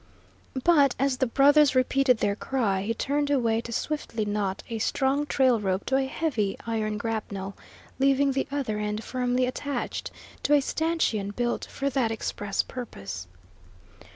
But, as the brothers repeated their cry, he turned away to swiftly knot a strong trail rope to a heavy iron grapnel, leaving the other end firmly attached to a stanchion built for that express purpose.